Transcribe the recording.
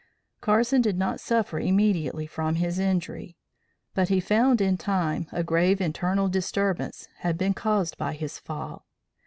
Carson did not suffer immediately from his injury, but he found in time that a grave internal disturbance had been caused by his fall.